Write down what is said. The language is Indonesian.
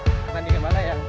pertandingan mana ya